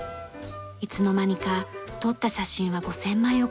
いつの間にか撮った写真は５０００枚を超えました。